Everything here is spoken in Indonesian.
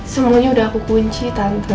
semuanya udah aku kunci tanpa